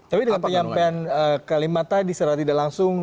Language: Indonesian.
tapi dengan penyampaian kalimat tadi secara tidak langsung